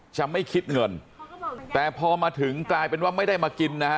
จะไม่คิดเงินแต่พอมาถึงกลายเป็นว่าไม่ได้มากินนะฮะ